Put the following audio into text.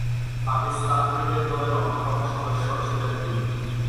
Pakistan cricket দলের অন্যতম সদস্য ছিলেন তিনি।